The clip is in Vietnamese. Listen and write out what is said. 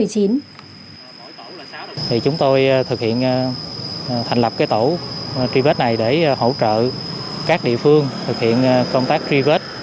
chúng tôi thực hiện thành lập cái tổ tri vết này để hỗ trợ các địa phương thực hiện công tác tri vết